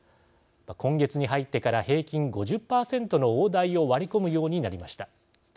今月に入ってから平均５０％の大台を割り込むようになりました。